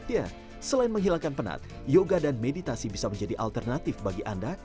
ya selain menghilangkan penat yoga dan meditasi bisa menjadi alternatif bagi anda